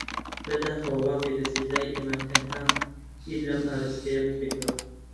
بەداخەوە، وا پێدەچێت لای ئێمە تەنها بیر لەم ئاراستەیە بکرێتەوە.